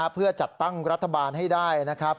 เพื่อจัดตั้งรัฐบาลให้ได้นะครับ